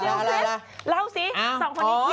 เอาล่ะเล่าสิสองคนดี